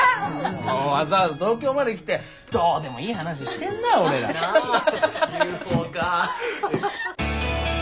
もうわざわざ東京まで来てどうでもいい話してんな俺ら。なあ。ＵＦＯか。